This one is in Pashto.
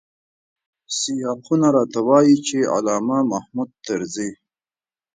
سیاقونه راته وايي چې علامه محمود طرزی.